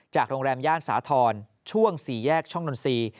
โรงแรมย่านสาธรณ์ช่วง๔แยกช่องนนทรีย์